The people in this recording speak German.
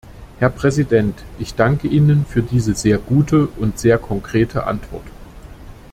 Herr Präsident! Ich danke Ihnen für diese sehr gute und sehr konkrete Antwort.